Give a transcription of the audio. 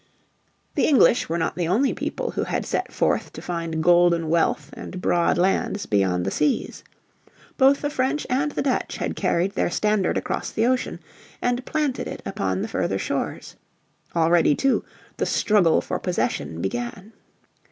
The English were not the only people who had set forth to find golden wealth and broad lands beyond the seas. Both the French and the Dutch had carried their standard across the ocean, and planted it upon the further shores. Already, too, the struggle for possession began.